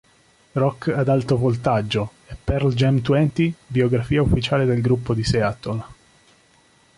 Rock ad alto voltaggio" e "Pearl Jam Twenty", biografia ufficiale del gruppo di Seattle.